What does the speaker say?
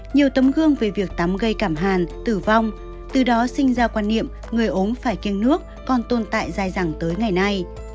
nhiều tấm gương về việc tắm gây cảm hàn tử vong từ đó sinh ra quan niệm người ốm phải kiêng nước còn tồn tại dài dẳng tới ngày nay